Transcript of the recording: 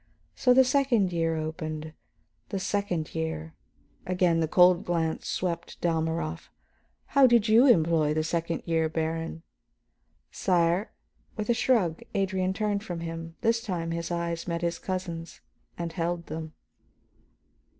So the second year opened. The second year " again the cold glance swept Dalmorov. "How did you employ the second year, Baron?" "Sire " With a shrug Adrian turned from him; this time his eyes met his cousin's and held them.